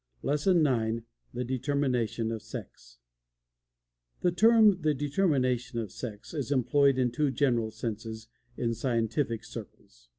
LESSON IX THE DETERMINATION OF SEX The term "The Determination of Sex" is employed in two general senses in scientific circles.